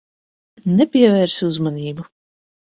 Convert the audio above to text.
Nepievērs uzmanību.